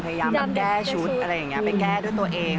พยายามแบบแก้ชุดอะไรอย่างนี้ไปแก้ด้วยตัวเอง